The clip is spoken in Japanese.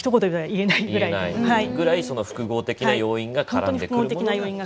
言えないぐらいその複合的な要因が絡んでくるものが。